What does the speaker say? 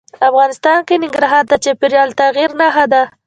افغانستان کې ننګرهار د چاپېریال د تغیر نښه ده.